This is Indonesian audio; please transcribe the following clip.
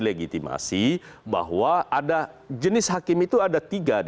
legitimasi bahwa ada jenis hakim itu ada tiga